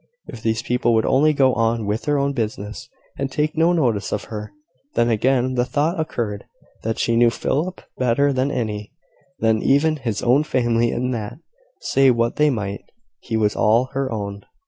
If these people would only go on with their own business, and take no notice of her! Then, again, the thought occurred, that she knew Philip better than any, than even his own family; and that, say what they might, he was all her own.